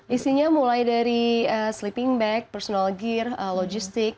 isinya mulai dari sleeping back personal gear logistik